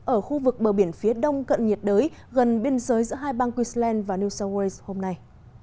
ở khu vực bờ biển phía đông cận nhiệt đới gần biên giới giữa hai bang queensland và new south wales hôm nay